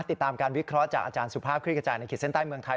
ติดตามการวิเคราะห์จากอาจารย์สุภาพคลิกกระจายในขีดเส้นใต้เมืองไทย